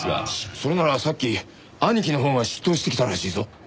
それならさっき兄貴のほうが出頭してきたらしいぞ。